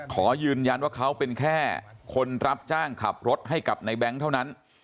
ขอยืนยันว่าเขาเป็นแค่คนรับจ้างขับรถให้กับในแบงค์เท่านั้น